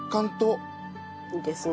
いいですね。